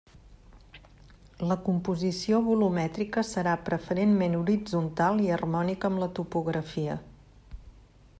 La composició volumètrica serà preferentment horitzontal i harmònica amb la topografia.